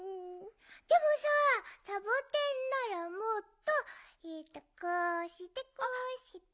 でもさあサボテンならもっとええっとこうしてこうして。